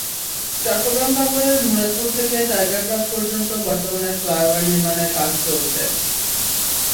চট্টগ্রাম নগরের মুরাদপুর থেকে টাইগারপাস পর্যন্ত বর্তমানে ফ্লাইওভার নির্মাণের কাজ চলছে।